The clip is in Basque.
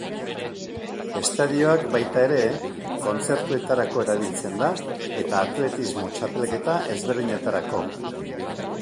Estadioak baita ere, kontzertuetarako erabiltzen da eta atletismo txapelketa ezberdinetarako.